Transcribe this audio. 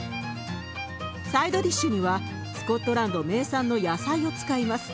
サイドディッシュにはスコットランド名産の野菜を使います。